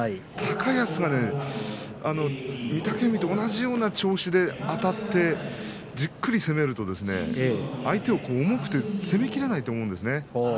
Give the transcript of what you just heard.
高安が御嶽海と同じような調子であたってじっくり攻めると相手、重くて攻めきれないと思うんですよね。